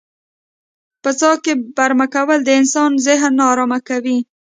په څاه کې برمه کول د انسان ذهن نا ارامه کوي.